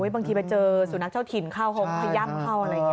บางทีไปเจอสุนัขเจ้าถิ่นเข้าคงขย่ำเข้าอะไรอย่างนี้